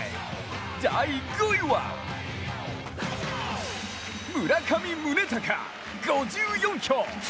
第５位は、村上宗隆、５４票。